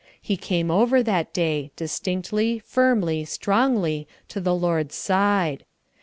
He came over that day, distinctly, firmly, strongly, to the Lord's side.